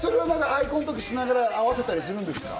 アイコンタクトしながら合わせたりするんですか？